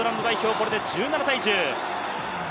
これで１７対１０。